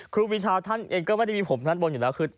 ครูปีชาท่านเองก็ไม่ได้มีผมด้านบนอยู่แล้วคือ